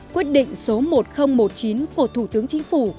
quyết định số một nghìn một mươi chín của thủ tướng chính phủ